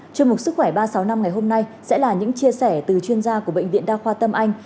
chương mục sức khỏe ba trăm sáu mươi năm ngày hôm nay sẽ là những chia sẻ từ chuyên gia của bệnh viện đa khoa tâm anh